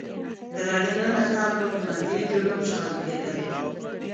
د راډیو نطاقان به په همدې جرم شړل کېدل.